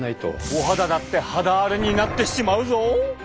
お肌だって肌荒れになってしまうぞ！